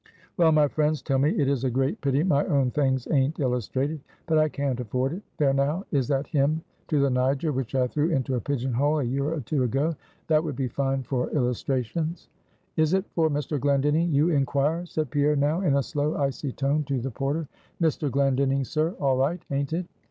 Well, my friends tell me it is a great pity my own things aint illustrated. But I can't afford it. There now is that Hymn to the Niger, which I threw into a pigeon hole, a year or two ago that would be fine for illustrations." "Is it for Mr. Glendinning you inquire?" said Pierre now, in a slow, icy tone, to the porter. "Mr. Glendinning, sir; all right, aint it?"